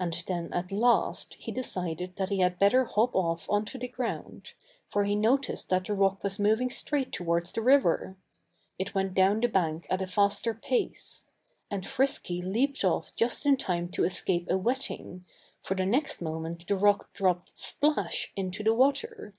And then, at last, he decided that he had better hop off onto the ground, for he noticed that the rock was moving straight toward the river. It went down the bank at a faster pace. And Frisky leaped off just in time to escape a wetting, for the next moment the rock dropped splash! into the water.